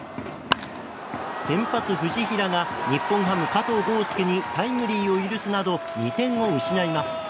先発、藤平が日本ハム、加藤豪将にタイムリーを許すなど２点を失います。